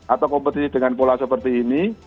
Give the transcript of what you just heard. atau kompetisi dengan pola seperti ini